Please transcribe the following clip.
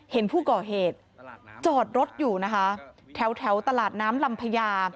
เห็นผู้ก่อเหตุจอดรถอยู่นะคะแถวตลาดน้ำลำพญา